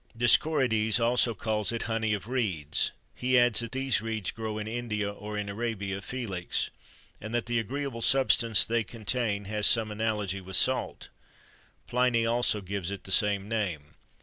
[XXIII 67] Dioscorides also calls it "honey of reeds;" he adds that these reeds grow in India, or in Arabia Felix, and that the agreeable substance they contain has some analogy with salt.[XXIII=68] Pliny also gives it the same name.